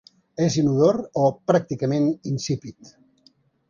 És inodor o pràcticament insípid.